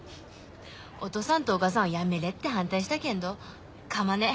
お父さんとお母さんはやめれって反対したけんどかまね。